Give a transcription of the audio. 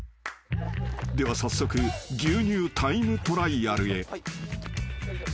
［では早速牛乳タイムトライアルへ］